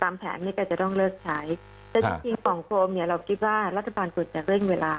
แผนนี้ก็จะต้องเลิกใช้แต่จริงจริงปล่องโฟมเนี่ยเราคิดว่ารัฐบาลควรจะเร่งเวลา